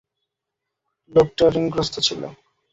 লোকটা ঋণগ্রস্থ ছিল।